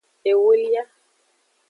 Ewolia.